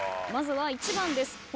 まずは１番です。